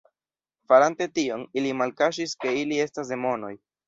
Farante tion, ili malkaŝis ke ili estas demonoj.